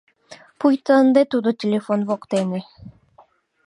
Пуйто ынде тудо телефон воктене.